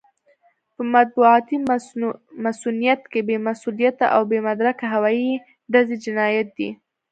په مطبوعاتي مصؤنيت کې بې مسووليته او بې مدرکه هوايي ډزې جنايت دی.